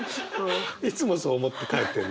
いつもそう思って帰ってるの？